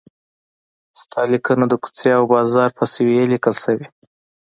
ستا لیکنه د کوڅې او بازار په سویې لیکل شوې.